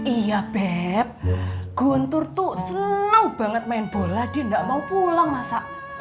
iya beb guntur tuh senang banget main bola dia enggak mau pulang masa